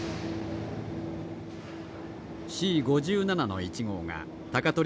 Ｃ５７の１号が鷹取